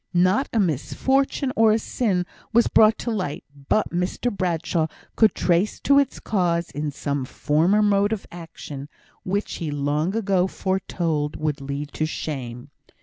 Not a misfortune or a sin was brought to light but Mr Bradshaw could trace it to its cause in some former mode of action, which he had long ago foretold would lead to shame.